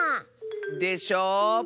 でしょう